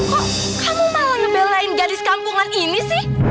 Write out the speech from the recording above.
kok kamu malah ngebelain gadis kampungan ini sama aku